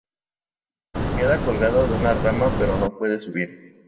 Queda colgado de una rama, pero no puede subir.